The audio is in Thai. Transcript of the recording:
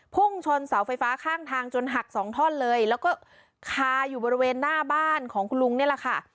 พุ่งชนเสาไฟฟ้าข้างทางจนหักสองท่อนเลยแล้วก็คาอยู่บริเวณหน้าบ้านของคุณลุงนี่แหละค่ะ